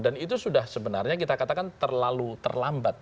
dan itu sudah sebenarnya kita katakan terlalu terlambat